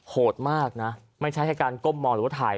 โหดมากนะไม่ใช่แค่การก้มมองหรือว่าถ่าย